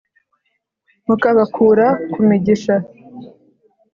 Mukabakura ku migisha.